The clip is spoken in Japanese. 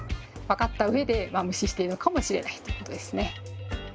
分かったうえで無視しているのかもしれないということですね。